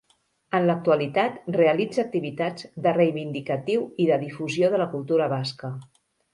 En l'actualitat realitza activitats de reivindicatiu i de difusió de la cultura basca.